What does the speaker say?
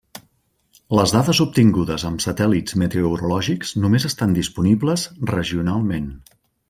Les dades obtingudes amb satèl·lits meteorològics només estan disponibles regionalment.